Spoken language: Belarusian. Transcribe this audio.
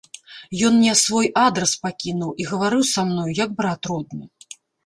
Ён мне свой адрас пакінуў і гаварыў са мною, як брат родны.